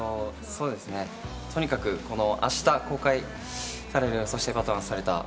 とにかく、明日公開される映画『そして、バトンは渡された』